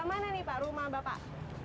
zaman ini pak rumah bapak